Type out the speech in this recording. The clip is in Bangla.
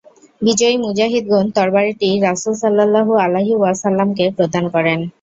বিজয়ী মুজাহিদগণ তরবারিটি রাসূল সাল্লাল্লাহু আলাইহি ওয়াসাল্লাম-কে প্রদান করেন।